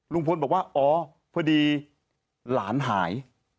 ลุงพลบอกว่าอ๋อพอดีหลานหาย